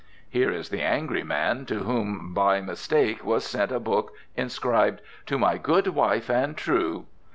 Here is the angry man to whom by mistake was sent a book inscribed "to my good wife and true."